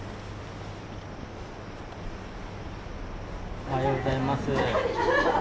おはようございます。